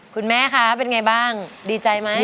คุณแม่คะเป็นไงบ้างดีใจไหม